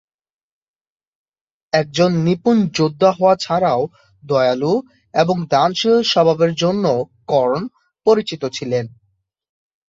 একজন নিপুণ যোদ্ধা হওয়া ছাড়াও দয়ালু এবং দানশীল স্বভাবের জন্যও কর্ণ পরিচিত ছিলেন।